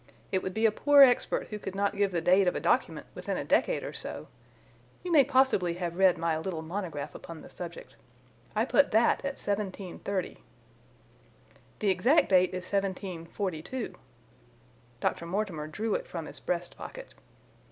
It would be a poor expert who could not give the date of a document within a decade or so. You may possibly have read my little monograph upon the subject. I put that at 1730." "The exact date is 1742." Dr. Mortimer drew it from his breast pocket.